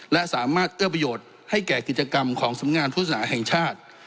และสามารถเอื้อประโยชน์ให้แก่กิจกรรมของสำงานพุทธศนาแห่งชาติ